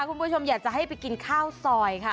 คุณผู้ชมอยากจะให้ไปกินข้าวซอยค่ะ